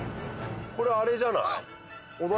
これあれじゃない？